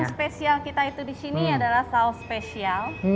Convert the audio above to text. spesial kita itu di sini adalah saus spesial